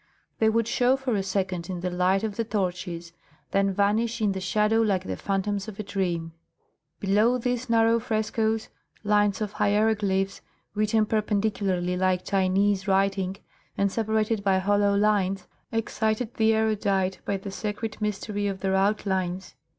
They would show for a second in the light of the torches, then vanish in the shadow like the phantoms of a dream. Below these narrow frescoes, lines of hieroglyphs, written perpendicularly like Chinese writing and separated by hollow lines, excited the erudite by the sacred mystery of their outlines.